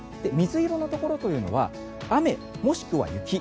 水色のところというのは雨もしくは雪